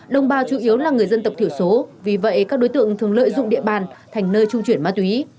đồng bào chủ yếu là người dân tộc thiểu số vì vậy các đối tượng thường lợi dụng địa bàn thành nơi trung chuyển ma túy